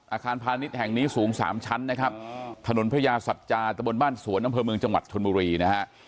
อาคารพาณิชย์แห่งนี้สูงสามชั้นนะครับถนนพญาสัจจาตะบนบ้านสวนอำเภอเมืองจังหวัดชนบุรีนะฮะ